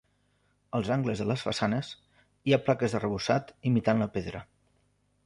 Als angles de les façanes, hi ha plaques d'arrebossat imitant la pedra.